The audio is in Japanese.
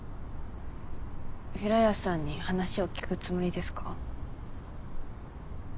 平安さんに話を聞くつもりですか。